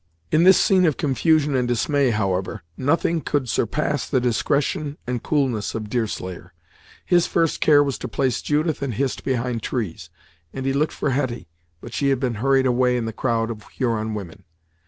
In this scene of confusion and dismay, however, nothing could surpass the discretion and coolness of Deerslayer. His first care was to place Judith and Hist behind trees, and he looked for Hetty; but she had been hurried away in the crowd of Huron women.